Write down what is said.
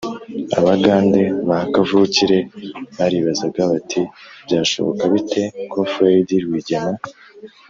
abagande ba kavukire baribazaga bati byashoboka bite ko fred rwigema,